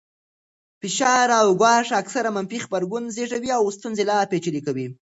فشار او ګواښ اکثراً منفي غبرګون زېږوي او ستونزه لا پېچلې کوي.